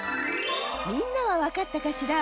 みんなはわかったかしら？